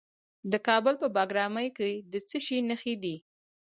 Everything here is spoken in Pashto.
د کابل په بګرامي کې د څه شي نښې دي؟